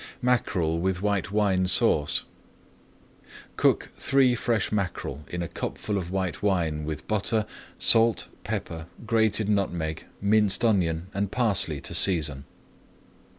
MACKEREL WITH WHITE WINE SAUCE Cook three fresh mackerel in a cupful of white wine, with butter, salt, pepper, grated nutmeg, minced onion, and parsley to season.